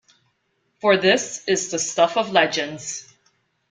For this is the stuff of legends.